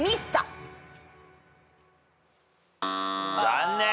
残念。